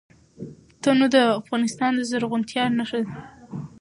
تنوع د افغانستان د زرغونتیا نښه ده.